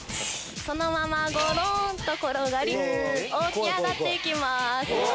そのままごろんと転がり起き上がって行きます。